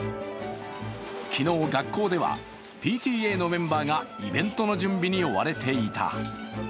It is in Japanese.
昨日、学校ではＰＴＡのメンバーがイベントの準備に追われていた。